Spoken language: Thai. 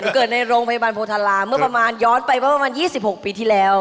เกิดในโรงพยาบาลโพธาราเมื่อประมาณย้อนไปเมื่อประมาณ๒๖ปีที่แล้ว